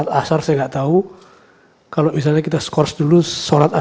jadi saya akan beritahu indonesia forgot yang bahwa ini masih jadi istri saya